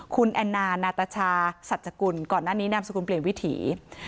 คุณแอนนานาตชาสัจกุลก่อนหน้านี้นามสกุลเปลี่ยนวิถี